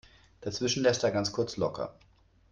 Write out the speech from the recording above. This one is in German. Dazwischen lässt er ganz kurz locker.